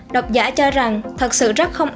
độc giả cho rằng thật sự rất không